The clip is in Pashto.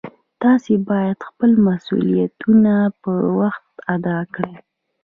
تاسې باید خپل مسؤلیتونه په وخت ادا کړئ